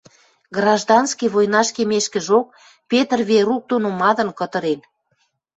Гражданский войнаш кемешкӹжок, Петр Верук доно мадын, кытырен.